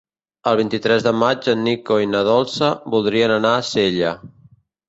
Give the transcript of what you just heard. El vint-i-tres de maig en Nico i na Dolça voldrien anar a Sella.